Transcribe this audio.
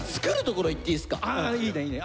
あいいねいいね。